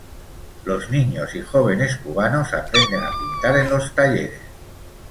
Los niños y jóvenes cubanos aprenden a pintar en los talleres.